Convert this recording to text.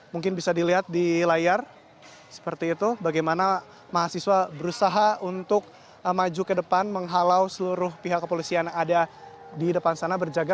mungkin bisa dilihat di layar seperti itu bagaimana mahasiswa berusaha untuk maju ke depan menghalau seluruh pihak kepolisian yang ada di depan sana berjaga